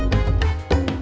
kutu hai d